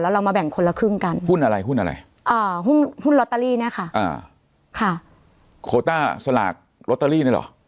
แล้วเรามาแบ่งคนละครึ่งกันหุ้นอะไรหุ้นอะไรหุ้นลอตเตอรี่เนี่ยค่ะโคต้าสลากลอตเตอรี่เนี่ยหรอ